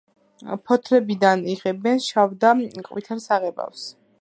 ფოთლებიდან იღებენ შავ და ყვითელ საღებავს.